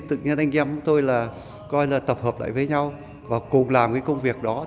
tự nhiên anh em chúng tôi là coi là tập hợp lại với nhau và cùng làm cái công việc đó